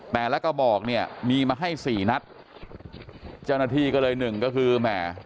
แต่แล้วก็บอกเนี่ยมีมาให้๔นัดเจ้าหน้าที่ก็เลย๑ก็คือแหม่